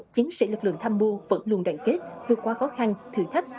chiến sĩ lực lượng tham mưu vẫn luôn đoàn kết vượt qua khó khăn thử thách